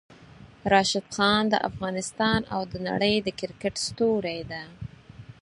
راشد خان د افغانستان او د نړۍ د کرکټ ستوری ده!